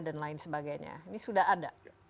dan lain sebagainya ini sudah ada